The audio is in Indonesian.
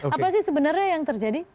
apa sih sebenarnya yang terjadi